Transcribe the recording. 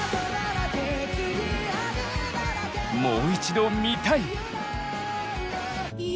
もう一度見たい！